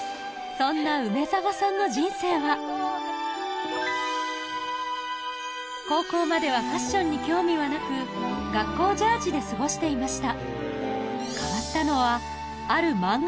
そんな梅澤さんの人生は高校まではファッションに興味はなく学校ジャージーで過ごしていました